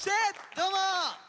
どうも！